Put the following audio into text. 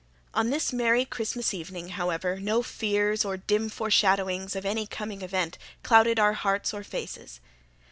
On this merry Christmas evening, however, no fears or dim foreshadowings of any coming event clouded our hearts or faces.